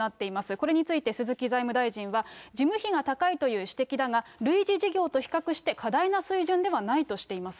これについて、鈴木財務大臣は、事務費が高いという指摘だが、類似事業と比較して過大な水準ではないとしています。